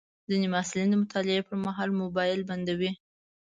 ځینې محصلین د مطالعې پر مهال موبایل بندوي.